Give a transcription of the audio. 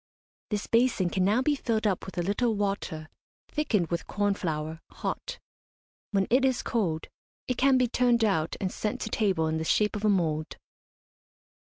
This basin can now be filled up with a little water thickened with corn flour, hot. When it is cold, it can be turned out and sent to table in the shape of a mould.